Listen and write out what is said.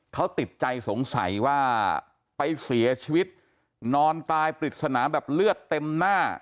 เขาติดใจสงสัยว่าไปเสียชีวิตนอนตายปริศนาแบบเลือดเต็มหน้า